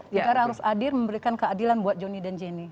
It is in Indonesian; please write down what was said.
negara harus hadir memberikan keadilan buat jonny dan jenny